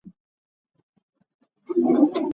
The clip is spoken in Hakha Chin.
Nihin cu ṭhaiṭholh ka ṭholh lai.